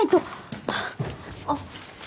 あっ。